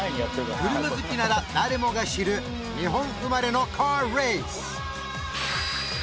クルマ好きなら誰もが知る日本生まれのカーレース！